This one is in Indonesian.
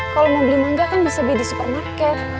kalau mau beli mangga kan bisa beli di supermarket